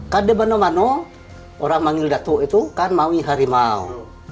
kadang kadang orang manggil datuk itu kan mawi harimau